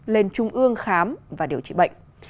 lên trung ương khám và điều trị bệnh